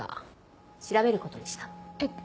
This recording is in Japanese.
えっ？